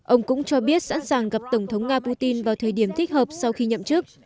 ông cũng cho biết sẵn sàng gặp tổng thống nga putin vào thời điểm thích hợp sau khi nhậm chức